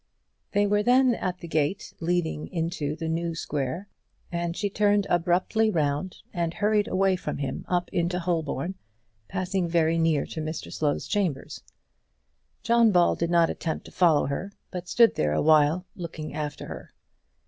They were then at the gate leading into the New Square, and she turned abruptly round, and hurried away from him up into Holborn, passing very near to Mr Slow's chambers. John Ball did not attempt to follow her, but stood there awhile looking after her.